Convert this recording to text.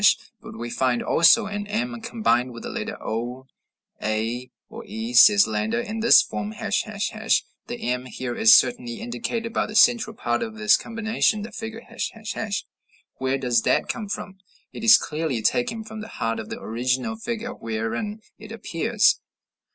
But we find also an m combined with the letter o, a, or e, says Landa, in this form, ###. The m here is certainly indicated by the central part of this combination, the figure ###; where does that come from? It is clearly taken from the heart of the original figure wherein it appears.